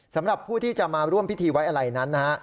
สำหรับผู้ที่จะมาร่วมพิธีไว้อะไรนั้นนะฮะ